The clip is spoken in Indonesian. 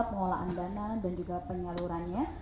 pengelolaan dana dan juga penyalurannya